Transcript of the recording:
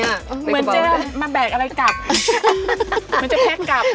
เหมือนจะมาแบกอะไรกลับเหมือนจะแพ็กกลับ